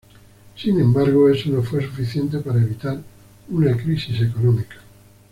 Sin embargo, eso no fue suficiente para evitar una crisis económica.